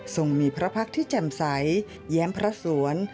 ส่งมีพระพักษ์ที่แจ่มใสแย้มพระสวน